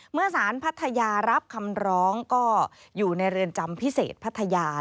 เมื่อสารพัทยารับคำร้องก็อยู่ในเรือนจำพิเศษพัทยา